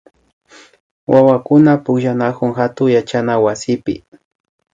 Wawakuna pukllanakun hatun yachana wasipi